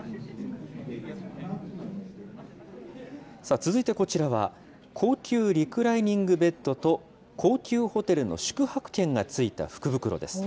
続いてこちらは、高級リクライニングベッドと高級ホテルの宿泊券がついた福袋です。